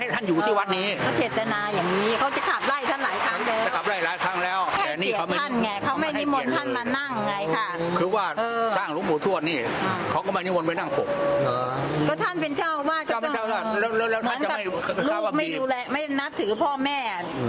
แล้วท่านจะไม่ดูแลไม่นัดถือพ่อแม่